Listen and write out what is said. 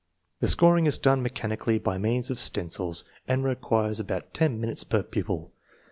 The scoring is done mechanically by means of stencils, and requires about ten minutes per pupil.